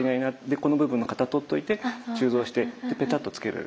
でこの部分の型とっといて鋳造してぺたっとつける。